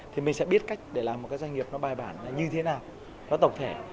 thì mình sẽ biết cách để làm một cái doanh nghiệp nó bài bản là như thế nào nó tổng thể